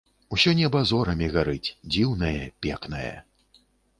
Усё неба зорамі гарыць, дзіўнае, пекнае!